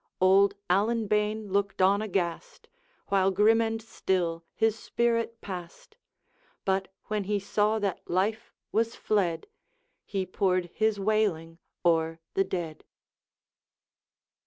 Old Allan bane looked on aghast, While grim and still his spirit passed; But when he saw that life was fled, He poured his wailing o'er the dead.